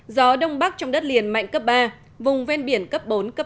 gió đông bắc trong đất liền mạnh cấp ba vùng ven biển cấp bốn cấp năm